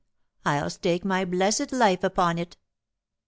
I'll stake my blessed life upon it."